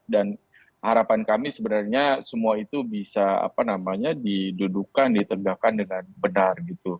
dan harapan kami sebenarnya semua itu bisa didudukan ditergakkan dengan benar